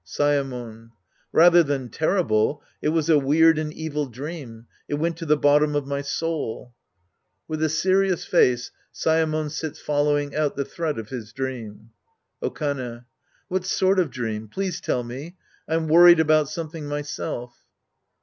Saemon. Rather than terrible, it was a weird and evil dream. It went to the bottom of my soul. {With a serious face, Saemon sits following out the thread of his dream.) Okane. What sort of dream? Please tell me. I'm worried about'isomething myself.